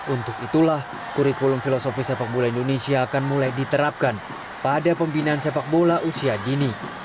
untuk itulah kurikulum filosofi sepak bola indonesia akan mulai diterapkan pada pembinaan sepak bola usia dini